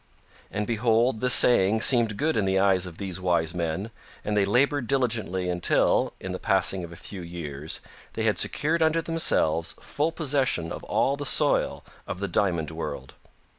And behold this saying seemed good in the eyes of these wise men, and they labored diligently until, in the passing of a few years, they had secured unto themselves full possession of all the soil of the Diamond World.